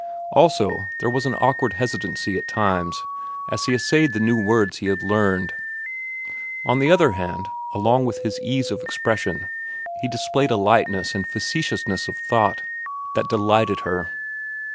Also, there was an awkward hesitancy, at times, as he essayed the new words he had learned. On the other hand, along with his ease of expression, he displayed a lightness and facetiousness of thought that delighted her.